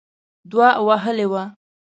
دوه وهلې وه.